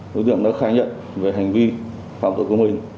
đối tượng đã khai nhận về hành vi phạm tội của mình